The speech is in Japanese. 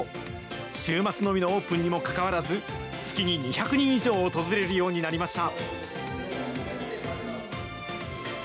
週末のみのオープンにもかかわらず、月に２００人以上訪れるようになりました。